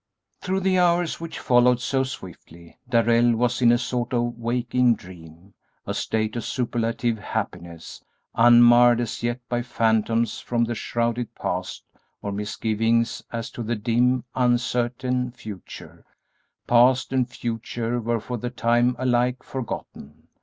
Through the hours which followed so swiftly Darrell was in a sort of waking dream, a state of superlative happiness, unmarred as yet by phantoms from the shrouded past or misgivings as to the dim, uncertain future; past and future were for the time alike forgotten.